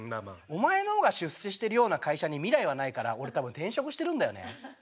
お前の方が出世してるような会社に未来はないから俺多分転職してるんだよね。